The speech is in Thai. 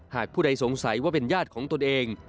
ผู้ใดสงสัยว่าเป็นญาติของตนเอง